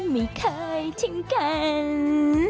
ไม่เคยทิ้งกัน